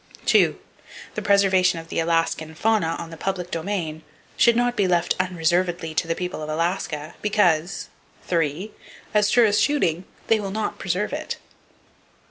2.—The preservation of the Alaskan fauna on the public domain should not be left unreservedly to the people of Alaska, because 3.—As sure as shooting, they will not preserve it!